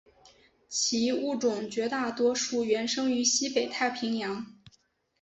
其物种绝大多数原生于西北太平洋。